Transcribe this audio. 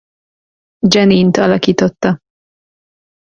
Janine-t alakította.